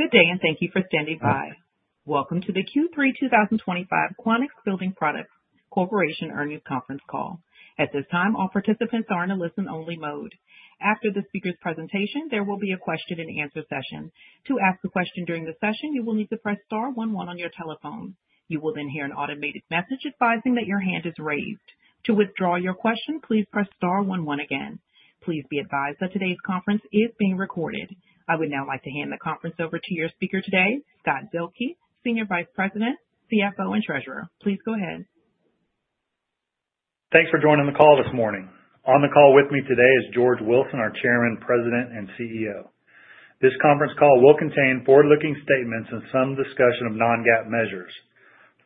Good day and thank you for standing by. Welcome to the Q3 2025 Quanex Building Products Corporation earnings conference call. At this time, all participants are in a listen-only mode. After the speaker's presentation, there will be a question-and-answer session. To ask a question during the session, you will need to press star 11 on your telephone. You will then hear an automated message advising that your hand is raised. To withdraw your question, please press star 11 again. Please be advised that today's conference is being recorded. I would now like to hand the conference over to your speaker today, Scott Zuehlke, Senior Vice President, CFO, and Treasurer. Please go ahead. Thanks for joining the call this morning. On the call with me today is George Wilson, our Chairman, President, and CEO. This conference call will contain forward-looking statements and some discussion of non-GAAP measures.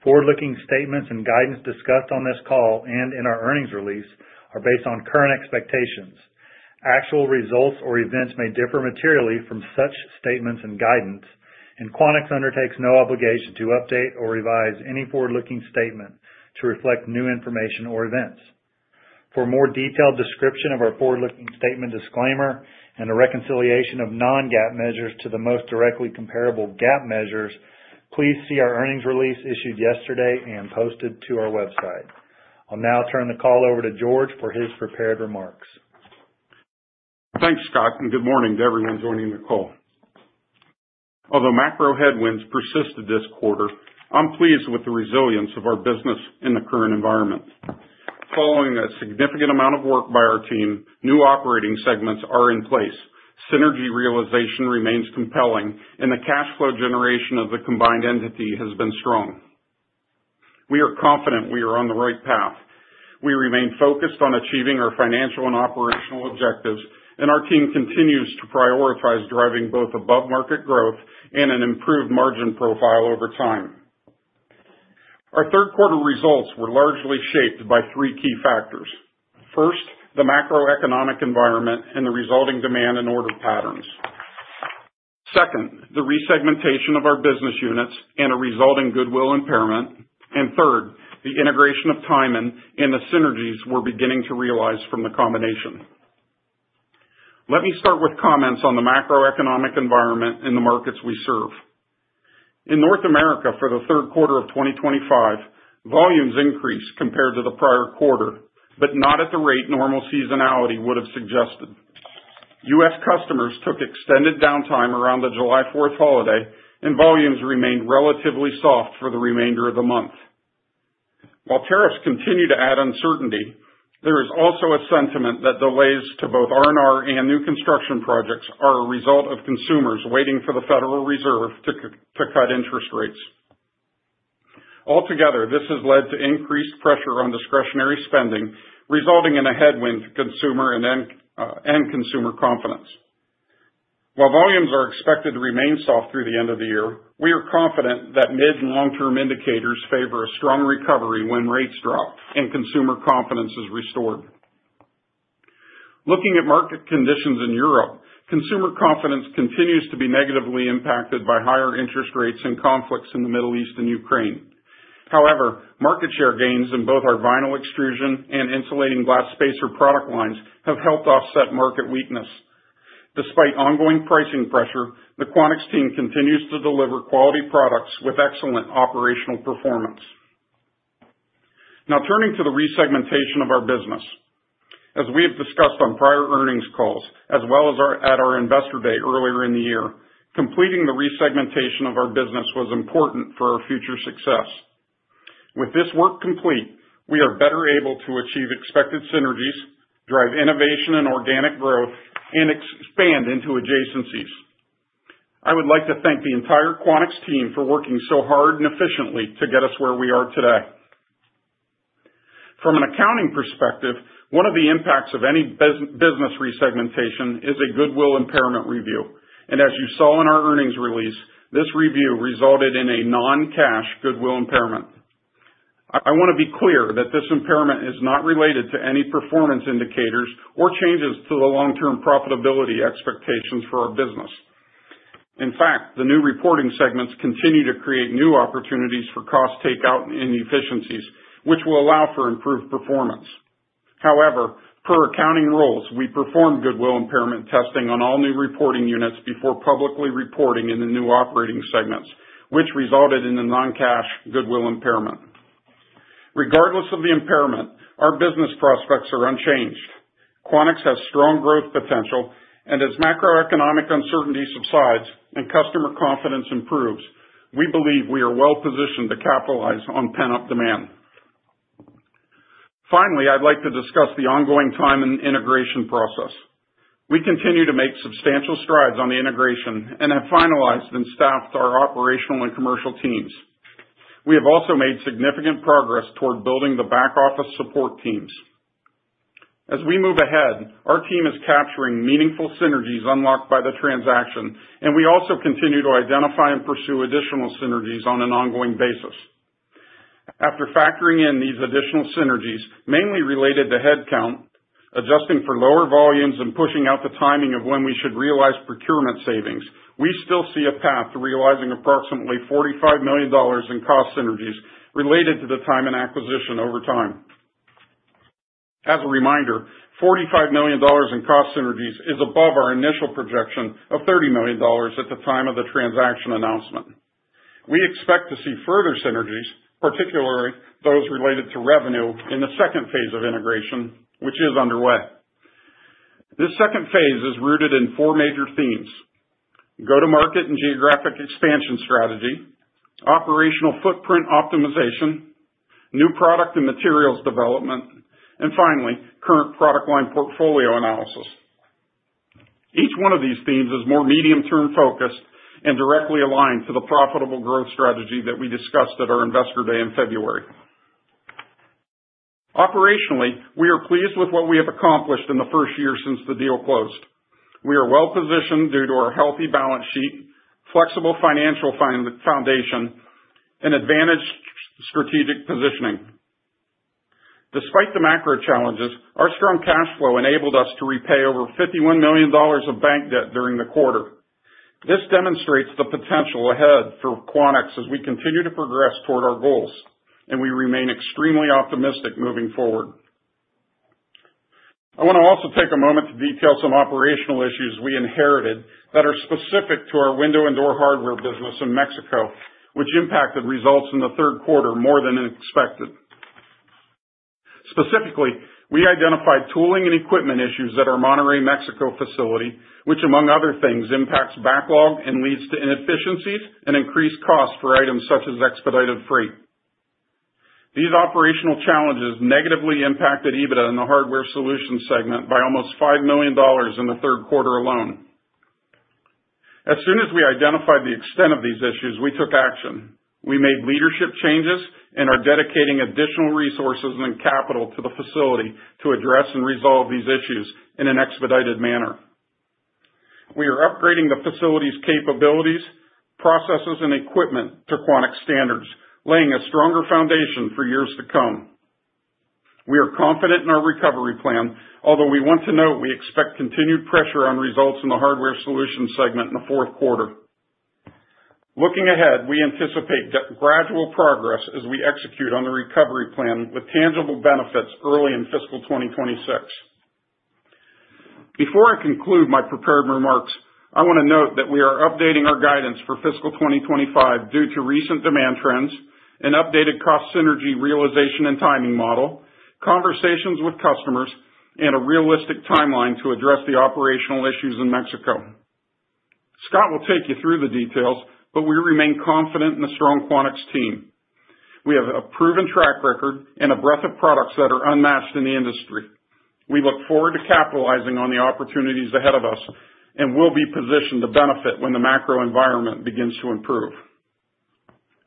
Forward-looking statements and guidance discussed on this call and in our earnings release are based on current expectations. Actual results or events may differ materially from such statements and guidance, and Quanex undertakes no obligation to update or revise any forward-looking statement to reflect new information or events. For a more detailed description of our forward-looking statement disclaimer and the reconciliation of non-GAAP measures to the most directly comparable GAAP measures, please see our earnings release issued yesterday and posted to our website. I'll now turn the call over to George for his prepared remarks. Thanks, Scott, and good morning to everyone joining the call. Although macro headwinds persisted this quarter, I'm pleased with the resilience of our business in the current environment. Following a significant amount of work by our team, new operating segments are in place, synergy realization remains compelling, and the cash flow generation of the combined entity has been strong. We are confident we are on the right path. We remain focused on achieving our financial and operational objectives, and our team continues to prioritize driving both above-market growth and an improved margin profile over time. Our third-quarter results were largely shaped by three key factors. First, the macroeconomic environment and the resulting demand and order patterns. Second, the resegmentation of our business units and a resulting goodwill impairment. And third, the integration of Tyman and the synergies we're beginning to realize from the combination. Let me start with comments on the macroeconomic environment and the markets we serve. In North America for the third quarter of 2025, volumes increased compared to the prior quarter, but not at the rate normal seasonality would have suggested. U.S. customers took extended downtime around the July 4th holiday, and volumes remained relatively soft for the remainder of the month. While tariffs continue to add uncertainty, there is also a sentiment that delays to both R&R and new construction projects are a result of consumers waiting for the Federal Reserve to cut interest rates. Altogether, this has led to increased pressure on discretionary spending, resulting in a headwind to consumer and end consumer confidence. While volumes are expected to remain soft through the end of the year, we are confident that mid- and long-term indicators favor a strong recovery when rates drop and consumer confidence is restored. Looking at market conditions in Europe, consumer confidence continues to be negatively impacted by higher interest rates and conflicts in the Middle East and Ukraine. However, market share gains in both our vinyl extrusion and insulating glass spacer product lines have helped offset market weakness. Despite ongoing pricing pressure, the Quanex team continues to deliver quality products with excellent operational performance. Now, turning to the resegmentation of our business. As we have discussed on prior earnings calls, as well as at our investor day earlier in the year, completing the resegmentation of our business was important for our future success. With this work complete, we are better able to achieve expected synergies, drive innovation and organic growth, and expand into adjacencies. I would like to thank the entire Quanex team for working so hard and efficiently to get us where we are today. From an accounting perspective, one of the impacts of any business resegmentation is a goodwill impairment review. And as you saw in our earnings release, this review resulted in a non-cash goodwill impairment. I want to be clear that this impairment is not related to any performance indicators or changes to the long-term profitability expectations for our business. In fact, the new reporting segments continue to create new opportunities for cost takeout and efficiencies, which will allow for improved performance. However, per accounting rules, we perform goodwill impairment testing on all new reporting units before publicly reporting in the new operating segments, which resulted in the non-cash goodwill impairment. Regardless of the impairment, our business prospects are unchanged. Quanex has strong growth potential, and as macroeconomic uncertainty subsides and customer confidence improves, we believe we are well positioned to capitalize on pent-up demand. Finally, I'd like to discuss the ongoing Tyman integration process. We continue to make substantial strides on the integration and have finalized and staffed our operational and commercial teams. We have also made significant progress toward building the back-office support teams. As we move ahead, our team is capturing meaningful synergies unlocked by the transaction, and we also continue to identify and pursue additional synergies on an ongoing basis. After factoring in these additional synergies, mainly related to headcount, adjusting for lower volumes, and pushing out the timing of when we should realize procurement savings, we still see a path to realizing approximately $45 million in cost synergies related to the Tyman acquisition over time. As a reminder, $45 million in cost synergies is above our initial projection of $30 million at the time of the transaction announcement. We expect to see further synergies, particularly those related to revenue in the second phase of integration, which is underway. This second phase is rooted in four major themes: go-to-market and geographic expansion strategy, operational footprint optimization, new product and materials development, and finally, current product line portfolio analysis. Each one of these themes is more medium-term focused and directly aligned to the profitable growth strategy that we discussed at our investor day in February. Operationally, we are pleased with what we have accomplished in the first year since the deal closed. We are well positioned due to our healthy balance sheet, flexible financial foundation, and advantaged strategic positioning. Despite the macro challenges, our strong cash flow enabled us to repay over $51 million of bank debt during the quarter. This demonstrates the potential ahead for Quanex as we continue to progress toward our goals, and we remain extremely optimistic moving forward. I want to also take a moment to detail some operational issues we inherited that are specific to our window and door hardware business in Mexico, which impacted results in the third quarter more than expected. Specifically, we identified tooling and equipment issues at our Monterrey, Mexico facility, which, among other things, impacts backlog and leads to inefficiencies and increased costs for items such as expedited freight. These operational challenges negatively impacted EBITDA in the Hardware Solutions segment by almost $5 million in the third quarter alone. As soon as we identified the extent of these issues, we took action. We made leadership changes and are dedicating additional resources and capital to the facility to address and resolve these issues in an expedited manner. We are upgrading the facility's capabilities, processes, and equipment to Quanex standards, laying a stronger foundation for years to come. We are confident in our recovery plan, although we want to note we expect continued pressure on results in the Hardware Solutions segment in the fourth quarter. Looking ahead, we anticipate gradual progress as we execute on the recovery plan with tangible benefits early in fiscal 2026. Before I conclude my prepared remarks, I want to note that we are updating our guidance for fiscal 2025 due to recent demand trends, an updated cost synergy realization and timing model, conversations with customers, and a realistic timeline to address the operational issues in Mexico. Scott will take you through the details, but we remain confident in the strong Quanex team. We have a proven track record and a breadth of products that are unmatched in the industry. We look forward to capitalizing on the opportunities ahead of us and will be positioned to benefit when the macro environment begins to improve.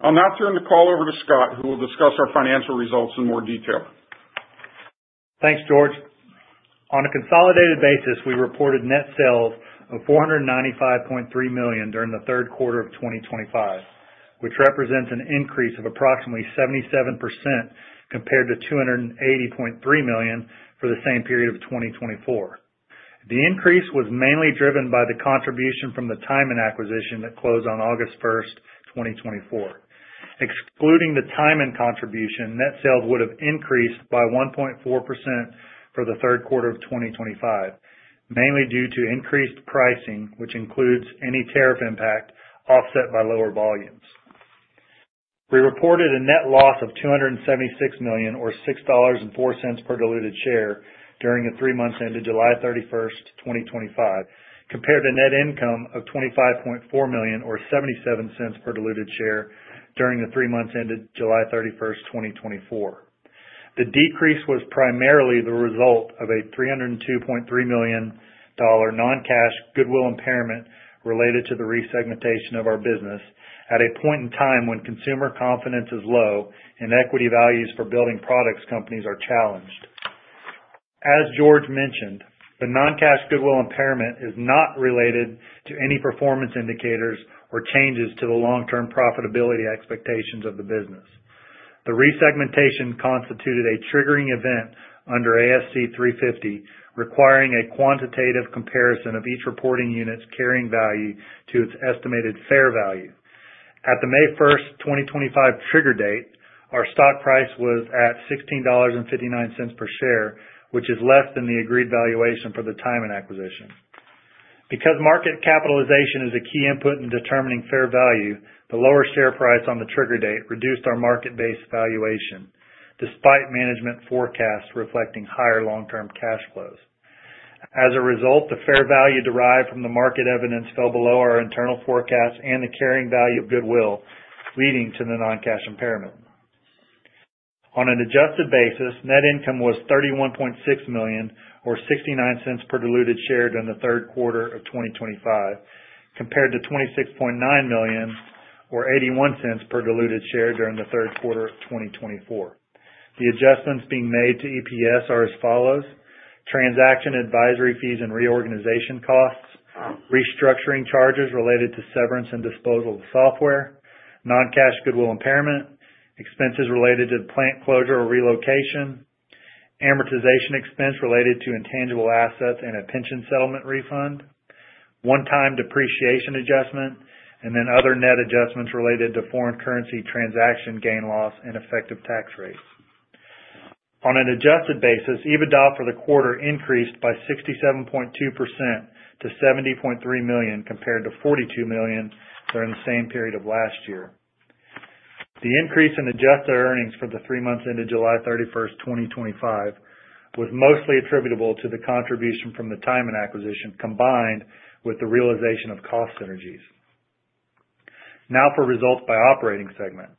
I'll now turn the call over to Scott, who will discuss our financial results in more detail. Thanks, George. On a consolidated basis, we reported net sales of $495.3 million during the third quarter of 2025, which represents an increase of approximately 77% compared to $280.3 million for the same period of 2024. The increase was mainly driven by the contribution from the Tyman acquisition that closed on August 1st, 2024. Excluding the Tyman contribution, net sales would have increased by 1.4% for the third quarter of 2025, mainly due to increased pricing, which includes any tariff impact offset by lower volumes. We reported a net loss of $276 million, or $6.04 per diluted share, during the three months ended July 31st, 2025, compared to net income of $25.4 million, or $0.77 per diluted share, during the three months ended July 31st, 2024. The decrease was primarily the result of a $302.3 million non-cash goodwill impairment related to the resegmentation of our business at a point in time when consumer confidence is low and equity values for building products companies are challenged. As George mentioned, the non-cash goodwill impairment is not related to any performance indicators or changes to the long-term profitability expectations of the business. The resegmentation constituted a triggering event under ASC 350, requiring a quantitative comparison of each reporting unit's carrying value to its estimated fair value. At the May 1st, 2025, trigger date, our stock price was at $16.59 per share, which is less than the agreed valuation for the Tyman acquisition. Because market capitalization is a key input in determining fair value, the lower share price on the trigger date reduced our market-based valuation, despite management forecasts reflecting higher long-term cash flows. As a result, the fair value derived from the market evidence fell below our internal forecasts and the carrying value of goodwill, leading to the non-cash impairment. On an adjusted basis, net income was $31.6 million, or $0.69 per diluted share during the third quarter of 2025, compared to $26.9 million, or $0.81 per diluted share during the third quarter of 2024. The adjustments being made to EPS are as follows: transaction advisory fees and reorganization costs, restructuring charges related to severance and disposal of software, non-cash goodwill impairment, expenses related to plant closure or relocation, amortization expense related to intangible assets and a pension settlement refund, one-time depreciation adjustment, and then other net adjustments related to foreign currency transaction gain loss and effective tax rates. On an adjusted basis, EBITDA for the quarter increased by 67.2% to $70.3 million compared to $42 million during the same period of last year. The increase in adjusted earnings for the three months ended July 31st, 2025, was mostly attributable to the contribution from the Tyman acquisition combined with the realization of cost synergies. Now for results by operating segment.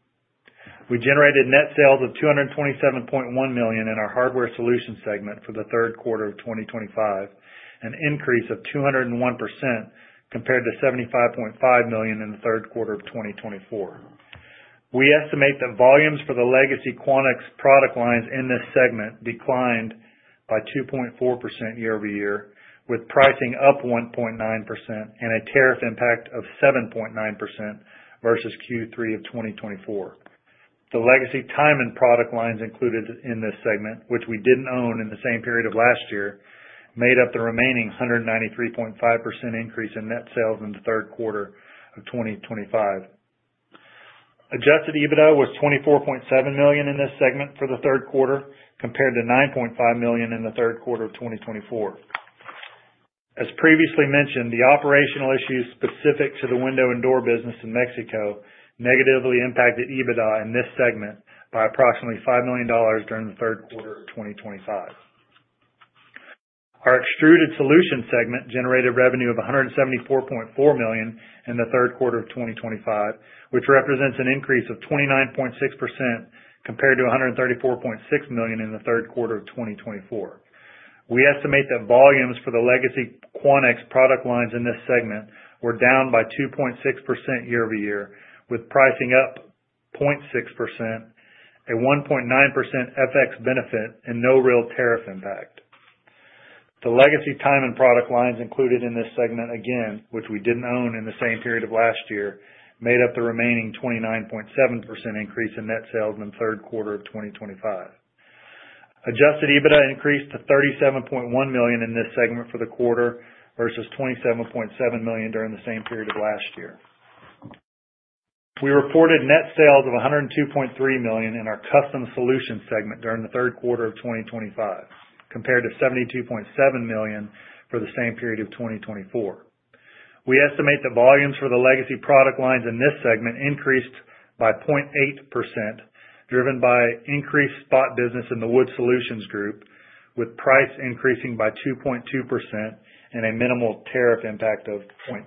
We generated net sales of $227.1 million in our Hardware Solutions segment for the third quarter of 2025, an increase of 201% compared to $75.5 million in the third quarter of 2024. We estimate that volumes for the legacy Quanex product lines in this segment declined by 2.4% year over year, with pricing up 1.9% and a tariff impact of 7.9% versus Q3 of 2024. The legacy Tyman product lines included in this segment, which we didn't own in the same period of last year, made up the remaining 193.5% increase in net sales in the third quarter of 2025. Adjusted EBITDA was $24.7 million in this segment for the third quarter compared to $9.5 million in the third quarter of 2024. As previously mentioned, the operational issues specific to the window and door business in Mexico negatively impacted EBITDA in this segment by approximately $5 million during the third quarter of 2025. Our Extruded Solutions segment generated revenue of $174.4 million in the third quarter of 2025, which represents an increase of 29.6% compared to $134.6 million in the third quarter of 2024. We estimate that volumes for the legacy Quanex product lines in this segment were down by 2.6% year over year, with pricing up 0.6%, a 1.9% FX benefit, and no real tariff impact. The legacy Tyman product lines included in this segment again, which we didn't own in the same period of last year, made up the remaining 29.7% increase in net sales in the third quarter of 2025. Adjusted EBITDA increased to $37.1 million in this segment for the quarter versus $27.7 million during the same period of last year. We reported net sales of $102.3 million in our Custom Solutions segment during the third quarter of 2025, compared to $72.7 million for the same period of 2024. We estimate that volumes for the legacy product lines in this segment increased by 0.8%, driven by increased spot business in the wood solutions group, with price increasing by 2.2% and a minimal tariff impact of 0.3%.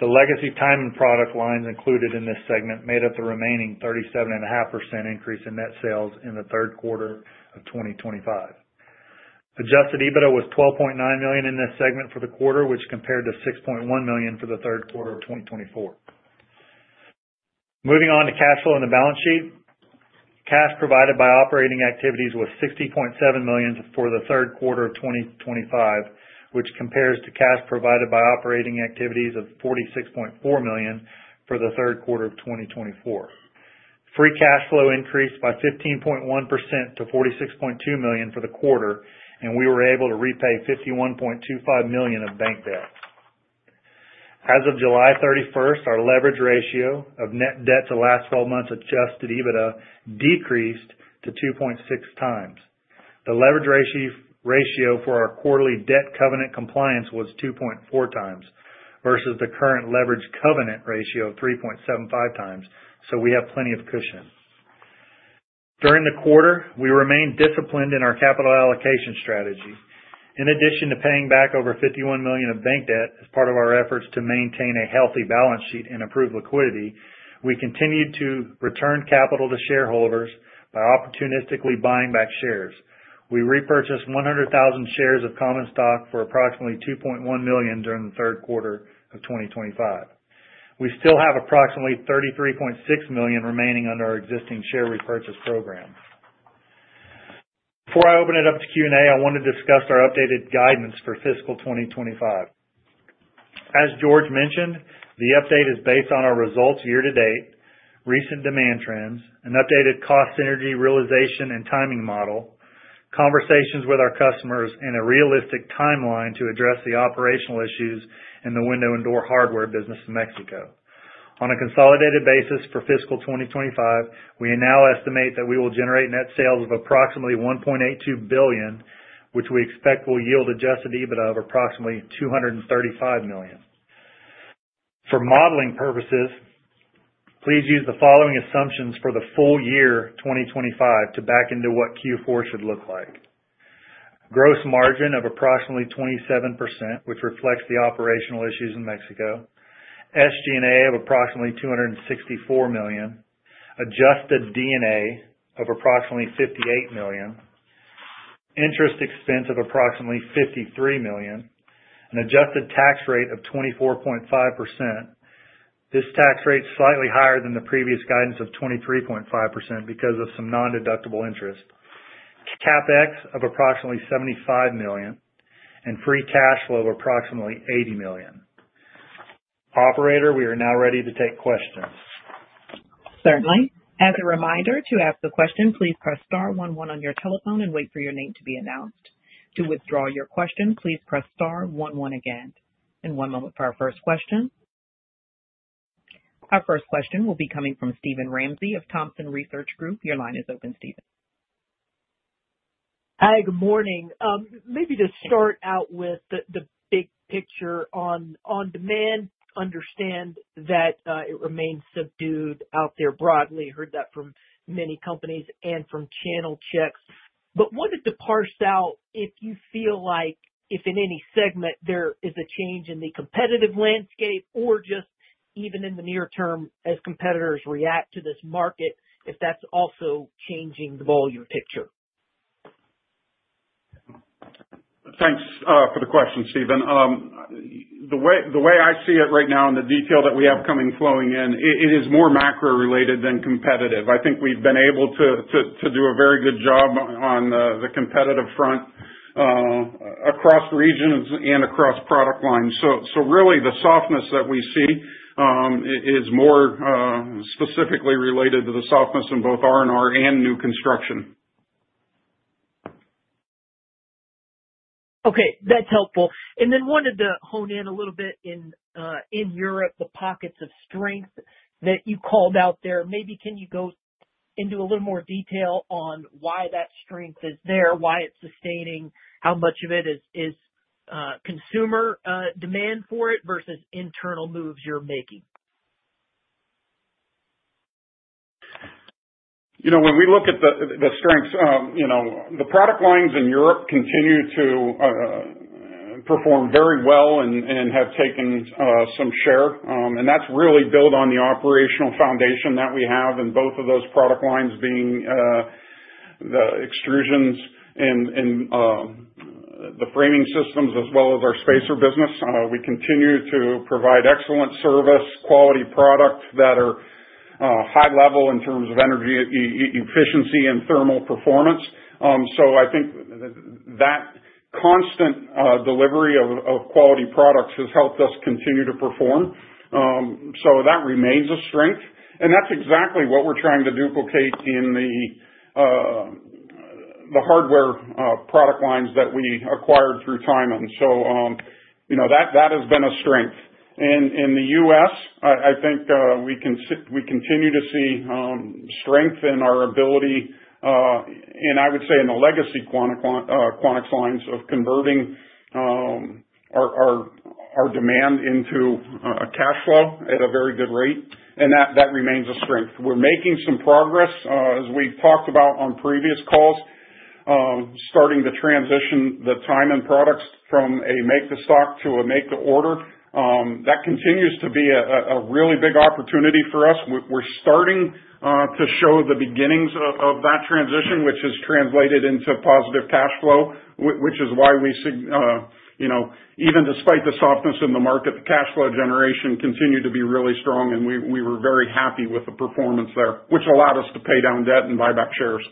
The legacy Tyman product lines included in this segment made up the remaining 37.5% increase in net sales in the third quarter of 2025. Adjusted EBITDA was $12.9 million in this segment for the quarter, which compared to $6.1 million for the third quarter of 2024. Moving on to cash flow in the balance sheet, cash provided by operating activities was $60.7 million for the third quarter of 2025, which compares to cash provided by operating activities of $46.4 million for the third quarter of 2024. Free cash flow increased by 15.1% to $46.2 million for the quarter, and we were able to repay $51.25 million of bank debt. As of July 31st, our leverage ratio of net debt to last 12 months Adjusted EBITDA decreased to 2.6 times. The leverage ratio for our quarterly debt covenant compliance was 2.4 times versus the current leverage covenant ratio of 3.75 times, so we have plenty of cushion. During the quarter, we remained disciplined in our capital allocation strategy. In addition to paying back over $51 million of bank debt as part of our efforts to maintain a healthy balance sheet and improve liquidity, we continued to return capital to shareholders by opportunistically buying back shares. We repurchased 100,000 shares of common stock for approximately $2.1 million during the third quarter of 2025. We still have approximately $33.6 million remaining under our existing share repurchase program. Before I open it up to Q&A, I want to discuss our updated guidance for fiscal 2025. As George mentioned, the update is based on our results year to date, recent demand trends, an updated cost synergy realization and timing model, conversations with our customers, and a realistic timeline to address the operational issues in the window and door hardware business in Mexico. On a consolidated basis for fiscal 2025, we now estimate that we will generate net sales of approximately $1.82 billion, which we expect will yield adjusted EBITDA of approximately $235 million. For modeling purposes, please use the following assumptions for the full year 2025 to back into what Q4 should look like: gross margin of approximately 27%, which reflects the operational issues in Mexico. SG&A of approximately $264 million. Adjusted D&A of approximately $58 million. Interest expense of approximately $53 million. An adjusted tax rate of 24.5%. This tax rate is slightly higher than the previous guidance of 23.5% because of some non-deductible interest. CapEx of approximately $75 million and free cash flow of approximately $80 million. Operator, we are now ready to take questions. Certainly. As a reminder, to ask a question, please press star 11 on your telephone and wait for your name to be announced. To withdraw your question, please press star 11 again. And one moment for our first question. Our first question will be coming from Steven Ramsey of Thompson Research Group. Your line is open, Steven. Hi, good morning. Maybe to start out with the big picture on demand, understand that it remains subdued out there broadly. Heard that from many companies and from channel checks. But wanted to parse out if you feel like if in any segment there is a change in the competitive landscape or just even in the near term as competitors react to this market, if that's also changing the volume picture? Thanks for the question, Steven. The way I see it right now and the detail that we have coming flowing in, it is more macro-related than competitive. I think we've been able to do a very good job on the competitive front across regions and across product lines. So really, the softness that we see is more specifically related to the softness in both R&R and new construction. Okay, that's helpful. And then wanted to hone in a little bit in Europe, the pockets of strength that you called out there. Maybe can you go into a little more detail on why that strength is there, why it's sustaining, how much of it is consumer demand for it versus internal moves you're making? When we look at the strengths, the product lines in Europe continue to perform very well and have taken some share. And that's really built on the operational foundation that we have in both of those product lines being the extrusions and the framing systems as well as our spacer business. We continue to provide excellent service, quality products that are high level in terms of energy efficiency and thermal performance. So I think that constant delivery of quality products has helped us continue to perform. So that remains a strength. And that's exactly what we're trying to duplicate in the hardware product lines that we acquired through Tyman. So that has been a strength. In the U.S., I think we continue to see strength in our ability, and I would say in the legacy Quanex lines of converting our demand into a cash flow at a very good rate. That remains a strength. We're making some progress, as we've talked about on previous calls, starting to transition the Tyman products from a make-to-stock to a make-to-order. That continues to be a really big opportunity for us. We're starting to show the beginnings of that transition, which has translated into positive cash flow, which is why we, even despite the softness in the market, the cash flow generation continued to be really strong. We were very happy with the performance there, which allowed us to pay down debt and buy back shares.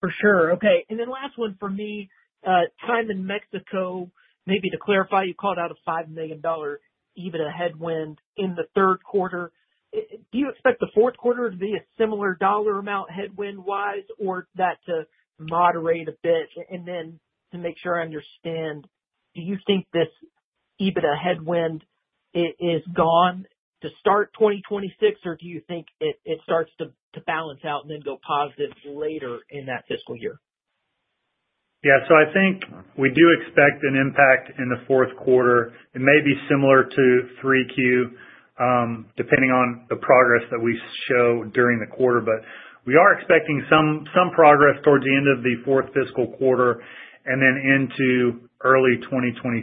For sure. Okay. And then last one for me, Tyman in Mexico, maybe to clarify, you called out a $5 million EBITDA headwind in the third quarter. Do you expect the fourth quarter to be a similar dollar amount headwind-wise or that to moderate a bit? And then to make sure I understand, do you think this EBITDA headwind is gone to start 2026, or do you think it starts to balance out and then go positive later in that fiscal year? Yeah. So I think we do expect an impact in the fourth quarter. It may be similar to 3Q, depending on the progress that we show during the quarter. But we are expecting some progress towards the end of the fourth fiscal quarter and then into early 2026.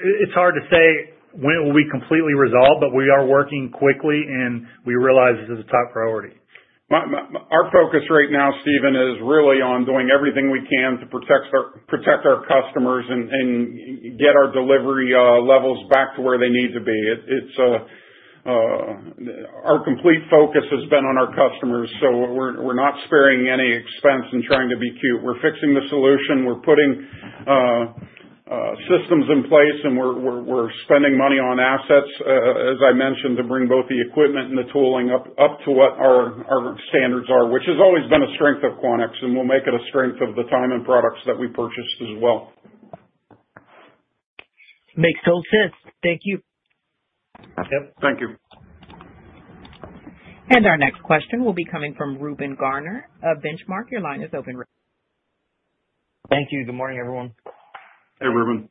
It's hard to say when it will be completely resolved, but we are working quickly, and we realize this is a top priority. Our focus right now, Steven, is really on doing everything we can to protect our customers and get our delivery levels back to where they need to be. Our complete focus has been on our customers, so we're not sparing any expense and trying to be cute. We're fixing the solution. We're putting systems in place, and we're spending money on assets, as I mentioned, to bring both the equipment and the tooling up to what our standards are, which has always been a strength of Quanex, and we'll make it a strength of the Tyman products that we purchased as well. Makes total sense. Thank you. Yep. Thank you. Our next question will be coming from Reuben Garner. Benchmark, your line is open. Thank you. Good morning, everyone. Hey, Reuben.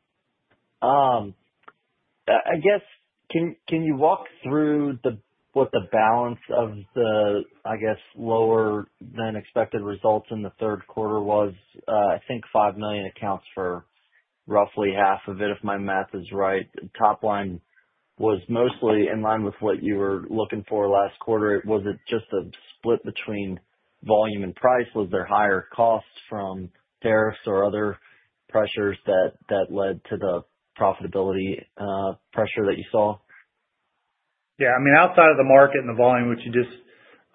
I guess, can you walk through what the balance of the, I guess, lower-than-expected results in the third quarter was? I think $5 million accounts for roughly half of it, if my math is right. Top line was mostly in line with what you were looking for last quarter. Was it just a split between volume and price? Was there higher cost from tariffs or other pressures that led to the profitability pressure that you saw? Yeah. I mean, outside of the market and the volume, which you just,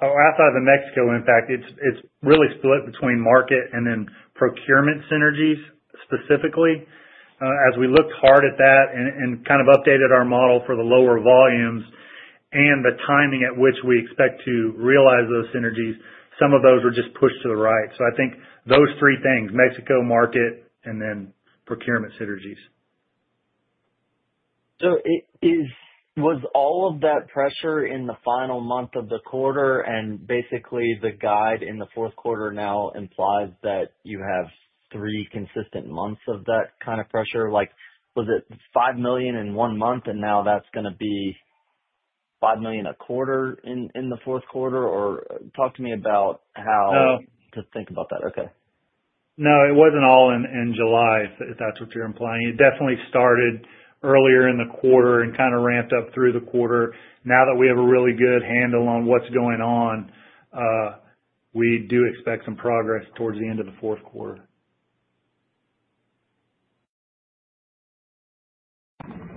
oh, outside of the Mexico impact, it's really split between market and then procurement synergies specifically. As we looked hard at that and kind of updated our model for the lower volumes and the timing at which we expect to realize those synergies, some of those were just pushed to the right. So I think those three things: Mexico, market, and then procurement synergies. So was all of that pressure in the final month of the quarter and basically the guide in the fourth quarter now implies that you have three consistent months of that kind of pressure? Was it $5 million in one month, and now that's going to be $5 million a quarter in the fourth quarter? Or talk to me about how to think about that. Okay. No, it wasn't all in July, if that's what you're implying. It definitely started earlier in the quarter and kind of ramped up through the quarter. Now that we have a really good handle on what's going on, we do expect some progress towards the end of the fourth quarter.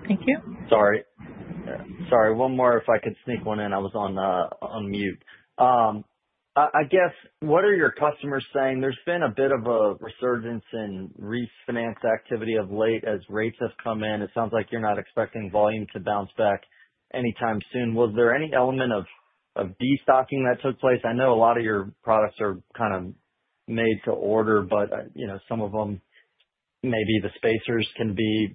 Thank you. Sorry. Sorry. One more if I could sneak one in. I was on mute. I guess, what are your customers saying? There's been a bit of a resurgence in refinance activity of late as rates have come in. It sounds like you're not expecting volume to bounce back anytime soon. Was there any element of destocking that took place? I know a lot of your products are kind of made to order, but some of them, maybe the spacers can be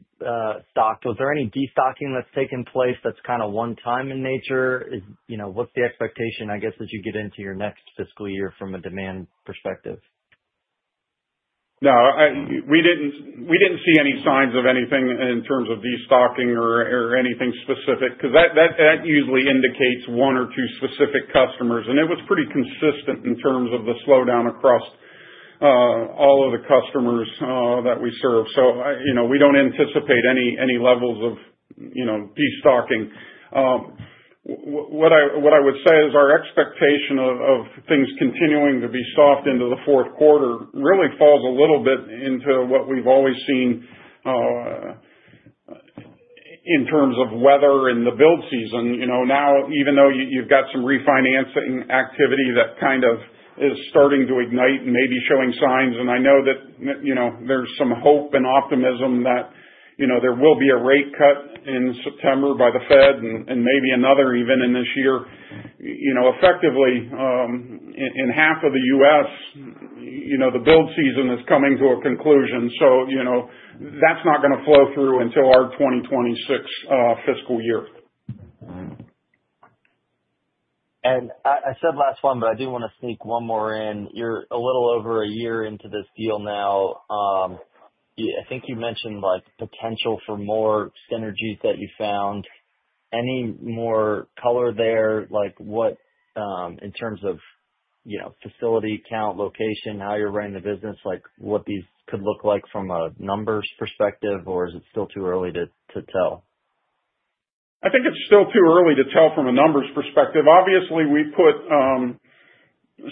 stocked. Was there any destocking that's taken place that's kind of one-time in nature? What's the expectation, I guess, as you get into your next fiscal year from a demand perspective? No, we didn't see any signs of anything in terms of destocking or anything specific because that usually indicates one or two specific customers, and it was pretty consistent in terms of the slowdown across all of the customers that we serve, so we don't anticipate any levels of destocking. What I would say is our expectation of things continuing to be soft into the fourth quarter really falls a little bit into what we've always seen in terms of weather in the build season. Now, even though you've got some refinancing activity that kind of is starting to ignite and maybe showing signs, and I know that there's some hope and optimism that there will be a rate cut in September by the Fed and maybe another even in this year. Effectively, in half of the U.S., the build season is coming to a conclusion. That's not going to flow through until our 2026 fiscal year. I said last one, but I do want to sneak one more in. You're a little over a year into this deal now. I think you mentioned potential for more synergies that you found. Any more color there in terms of facility count, location, how you're running the business, what these could look like from a numbers perspective, or is it still too early to tell? I think it's still too early to tell from a numbers perspective. Obviously, we put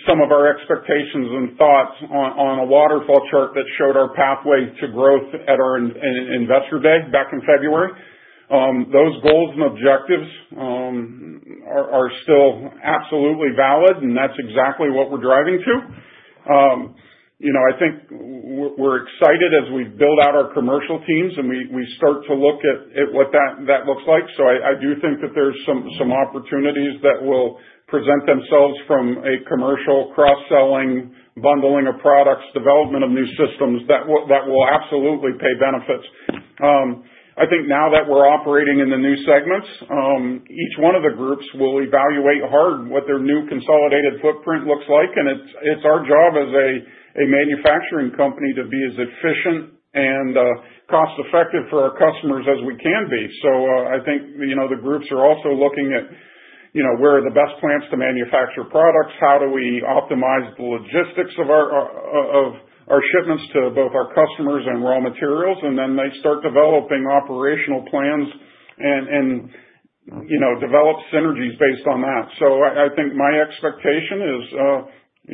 some of our expectations and thoughts on a waterfall chart that showed our pathway to growth at our investor day back in February. Those goals and objectives are still absolutely valid, and that's exactly what we're driving to. I think we're excited as we build out our commercial teams and we start to look at what that looks like, so I do think that there's some opportunities that will present themselves from a commercial cross-selling, bundling of products, development of new systems that will absolutely pay benefits. I think now that we're operating in the new segments, each one of the groups will evaluate hard what their new consolidated footprint looks like, and it's our job as a manufacturing company to be as efficient and cost-effective for our customers as we can be. So I think the groups are also looking at where are the best plants to manufacture products, how do we optimize the logistics of our shipments to both our customers and raw materials, and then they start developing operational plans and develop synergies based on that. So I think my expectation is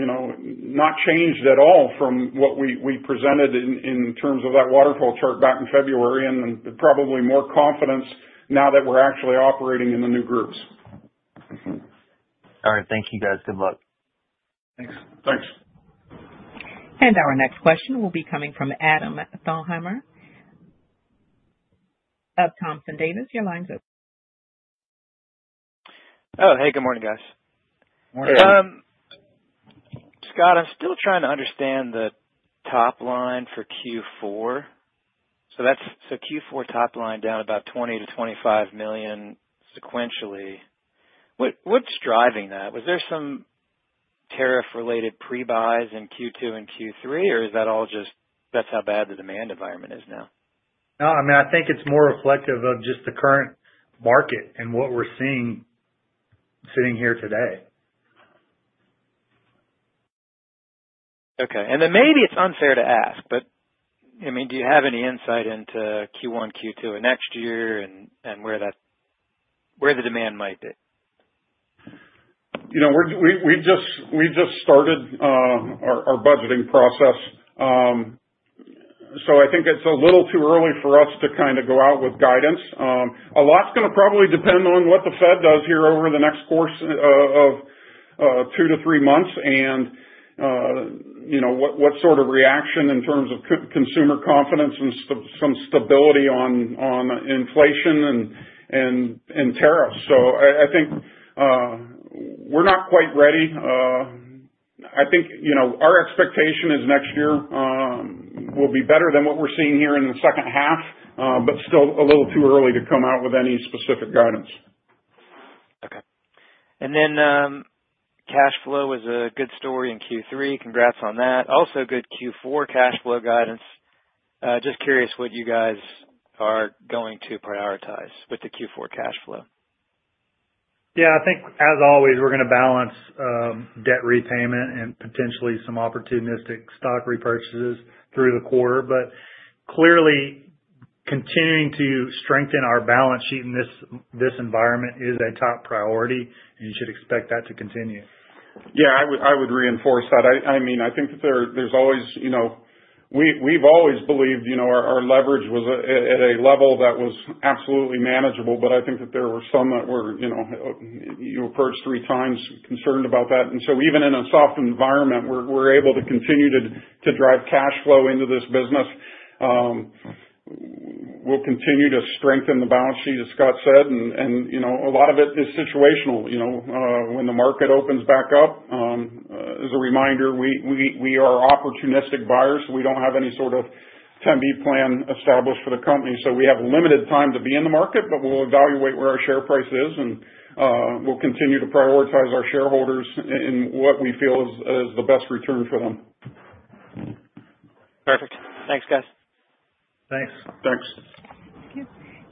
not changed at all from what we presented in terms of that waterfall chart back in February, and probably more confidence now that we're actually operating in the new groups. All right. Thank you, guys. Good luck. Thanks. Thanks. And our next question will be coming from Adam Thalheimer of Thompson Davis. Your line's open. Oh, hey. Good morning, guys. Morning. Scott, I'm still trying to understand the top line for Q4. So Q4 top line down about $20 million-$25 million sequentially. What's driving that? Was there some tariff-related prebuys in Q2 and Q3, or is that all just that's how bad the demand environment is now? No, I mean, I think it's more reflective of just the current market and what we're seeing sitting here today. Okay, and then maybe it's unfair to ask, but I mean, do you have any insight into Q1, Q2 of next year and where the demand might be? We've just started our budgeting process. So I think it's a little too early for us to kind of go out with guidance. A lot's going to probably depend on what the Fed does here over the next course of two to three months and what sort of reaction in terms of consumer confidence and some stability on inflation and tariffs. So I think we're not quite ready. I think our expectation is next year will be better than what we're seeing here in the second half, but still a little too early to come out with any specific guidance. Okay. And then cash flow was a good story in Q3. Congrats on that. Also good Q4 cash flow guidance. Just curious what you guys are going to prioritize with the Q4 cash flow. Yeah. I think, as always, we're going to balance debt repayment and potentially some opportunistic stock repurchases through the quarter. But clearly, continuing to strengthen our balance sheet in this environment is a top priority, and you should expect that to continue. Yeah. I would reinforce that. I mean, I think that we've always believed our leverage was at a level that was absolutely manageable, but I think that there were some that were concerned about that when we approached three times. And so even in a soft environment, we're able to continue to drive cash flow into this business. We'll continue to strengthen the balance sheet, as Scott said. And a lot of it is situational. When the market opens back up, as a reminder, we are opportunistic buyers. We don't have any sort of 10b plan established for the company. So we have limited time to be in the market, but we'll evaluate where our share price is, and we'll continue to prioritize our shareholders in what we feel is the best return for them. Perfect. Thanks, guys. Thanks. Thanks. Thank you.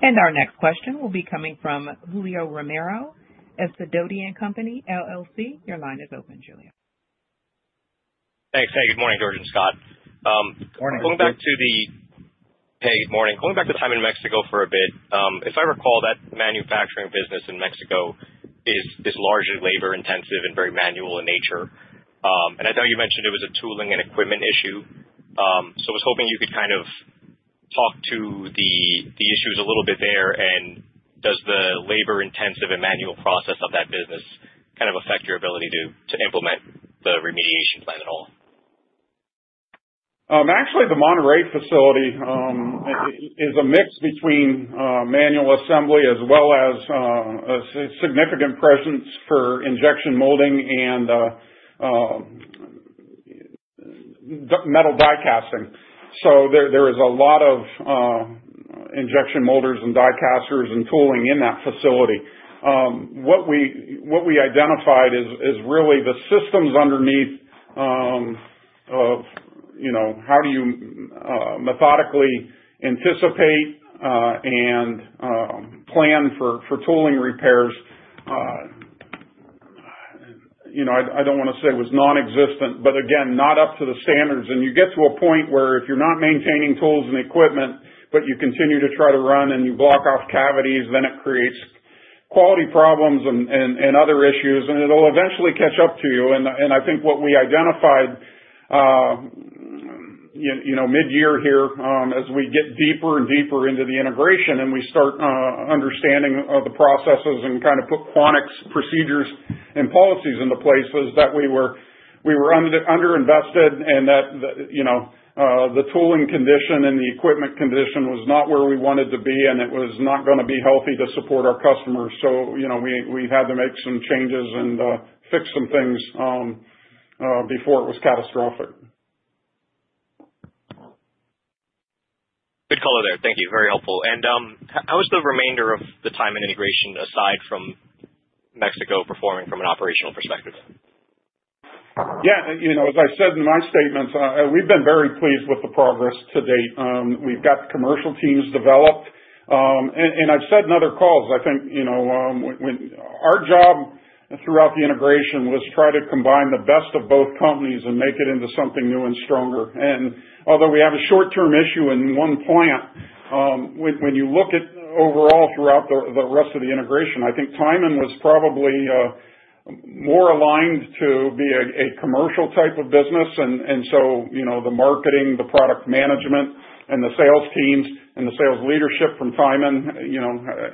And our next question will be coming from Julio Romero of Sidoti & Company, LLC. Your line is open, Julio. Thanks. Hey, good morning, George and Scott. Morning. Going back to Tyman in Mexico for a bit, if I recall, that manufacturing business in Mexico is largely labor-intensive and very manual in nature. And I know you mentioned it was a tooling and equipment issue. So I was hoping you could kind of talk to the issues a little bit there. And does the labor-intensive and manual process of that business kind of affect your ability to implement the remediation plan at all? Actually, the Monterrey facility is a mix between manual assembly as well as a significant presence for injection molding and metal die-casting. So there is a lot of injection molders and die-casters and tooling in that facility. What we identified is really the systems underneath of how do you methodically anticipate and plan for tooling repairs. I don't want to say it was nonexistent, but again, not up to the standards, and you get to a point where if you're not maintaining tools and equipment, but you continue to try to run and you block off cavities, then it creates quality problems and other issues, and it'll eventually catch up to you. And I think what we identified mid-year here as we get deeper and deeper into the integration and we start understanding the processes and kind of put Quanex's procedures and policies into place was that we were underinvested and that the tooling condition and the equipment condition was not where we wanted to be, and it was not going to be healthy to support our customers. So we had to make some changes and fix some things before it was catastrophic. Good color there. Thank you. Very helpful. And how is the remainder of the Tyman integration aside from Mexico performing from an operational perspective? Yeah. As I said in my statements, we've been very pleased with the progress to date. We've got commercial teams developed. And I've said in other calls, I think our job throughout the integration was to try to combine the best of both companies and make it into something new and stronger. And although we have a short-term issue in one plant, when you look at overall throughout the rest of the integration, I think Tyman was probably more aligned to be a commercial type of business. And so the marketing, the product management, and the sales teams and the sales leadership from Tyman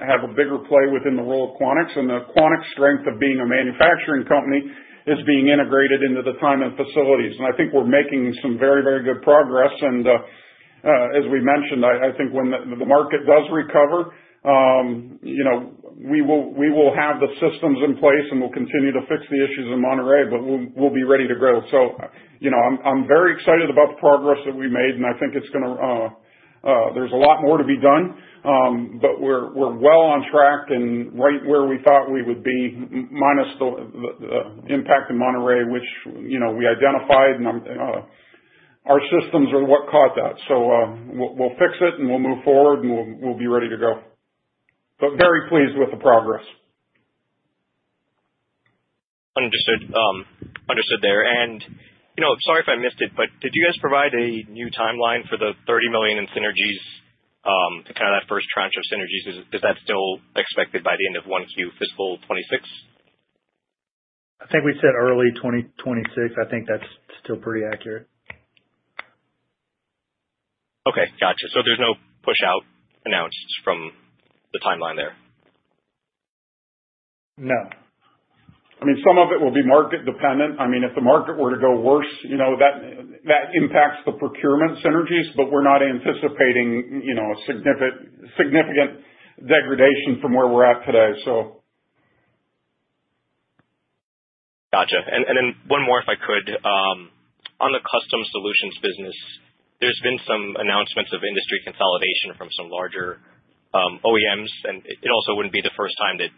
have a bigger play within the role of Quanex. And the Quanex strength of being a manufacturing company is being integrated into the Tyman facilities. And I think we're making some very, very good progress. As we mentioned, I think when the market does recover, we will have the systems in place and we'll continue to fix the issues in Monterrey, but we'll be ready to grow. I'm very excited about the progress that we made, and I think it's going to there's a lot more to be done, but we're well on track and right where we thought we would be, minus the impact in Monterrey, which we identified, and our systems are what caught that. We'll fix it and we'll move forward and we'll be ready to go. Very pleased with the progress. Understood there, and sorry if I missed it, but did you guys provide a new timeline for the $30 million in synergies, kind of that first tranche of synergies? Is that still expected by the end of 1Q fiscal 2026? I think we said early 2026. I think that's still pretty accurate. Okay. Gotcha. So there's no push-out announced from the timeline there? No. I mean, some of it will be market-dependent. I mean, if the market were to go worse, that impacts the procurement synergies, but we're not anticipating significant degradation from where we're at today, so. Gotcha. And then one more, if I could. On the custom solutions business, there's been some announcements of industry consolidation from some larger OEMs, and it also wouldn't be the first time that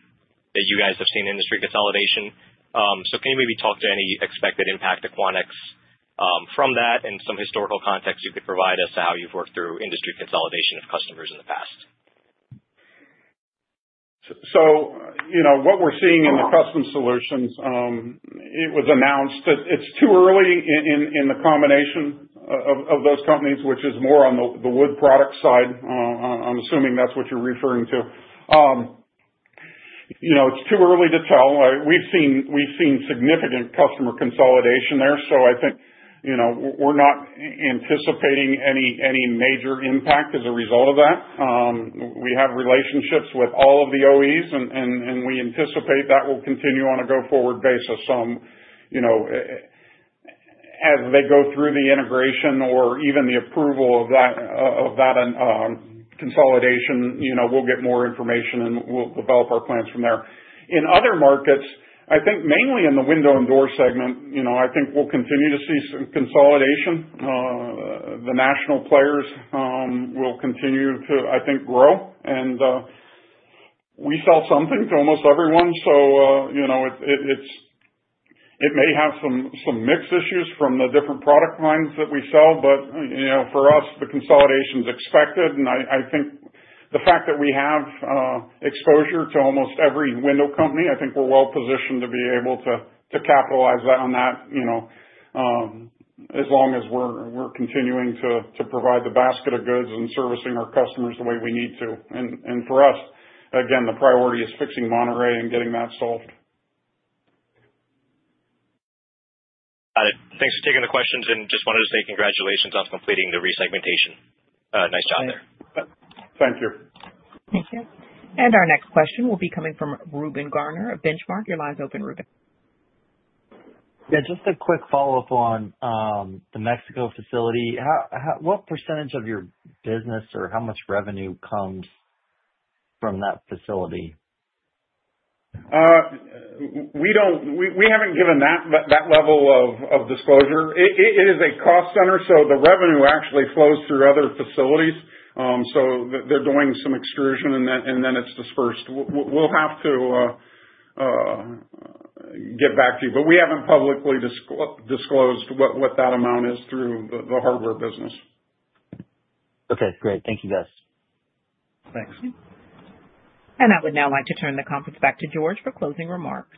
you guys have seen industry consolidation. So can you maybe talk to any expected impact to Quanex from that and some historical context you could provide as to how you've worked through industry consolidation of customers in the past? What we're seeing in the Custom Solutions, it was announced that it's too early in the combination of those companies, which is more on the wood product side. I'm assuming that's what you're referring to. It's too early to tell. We've seen significant customer consolidation there, so I think we're not anticipating any major impact as a result of that. We have relationships with all of the OEs, and we anticipate that will continue on a go-forward basis. So as they go through the integration or even the approval of that consolidation, we'll get more information and we'll develop our plans from there. In other markets, I think mainly in the window and door segment, I think we'll continue to see some consolidation. The national players will continue to, I think, grow. We sell something to almost everyone, so it may have some mixed issues from the different product lines that we sell, but for us, the consolidation is expected. I think the fact that we have exposure to almost every window company, I think we're well-positioned to be able to capitalize on that as long as we're continuing to provide the basket of goods and servicing our customers the way we need to. For us, again, the priority is fixing Monterrey and getting that solved. Got it. Thanks for taking the questions and just wanted to say congratulations on completing the resegmentation. Nice job there. Thank you. Thank you. And our next question will be coming from Reuben Garner, of Benchmark. Your line's open, Reuben. Yeah. Just a quick follow-up on the Mexico facility. What percentage of your business or how much revenue comes from that facility? We haven't given that level of disclosure. It is a cost center, so the revenue actually flows through other facilities, so they're doing some extrusion, and then it's dispersed. We'll have to get back to you, but we haven't publicly disclosed what that amount is through the hardware business. Okay. Great. Thank you, guys. Thanks. I would now like to turn the conference back to George for closing remarks.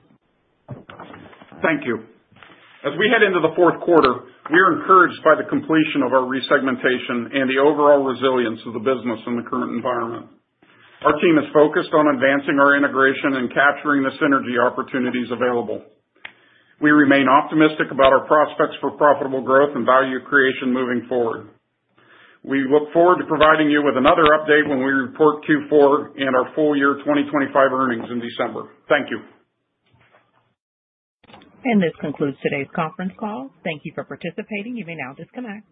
Thank you. As we head into the fourth quarter, we are encouraged by the completion of our resegmentation and the overall resilience of the business in the current environment. Our team is focused on advancing our integration and capturing the synergy opportunities available. We remain optimistic about our prospects for profitable growth and value creation moving forward. We look forward to providing you with another update when we report Q4 and our full year 2025 earnings in December. Thank you. This concludes today's conference call. Thank you for participating. You may now disconnect.